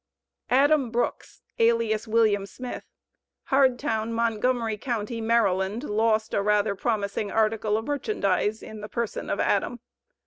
ADAM BROOKS, alias William Smith. Hardtown, Montgomery county, Maryland, lost a rather promising "article of merchandise," in the person of Adam.